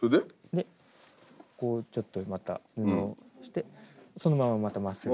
でここをちょっとまた布を押してそのまままたまっすぐ。